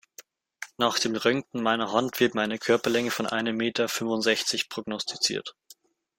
Nach dem Röntgen meiner Hand wird mir eine Körperlänge von einem Meter fünfundsechzig prognostiziert.